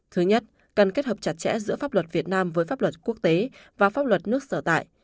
thứ nhất cần kết hợp chặt chẽ giữa pháp luật việt nam với pháp luật quốc tế và pháp luật nước sở tại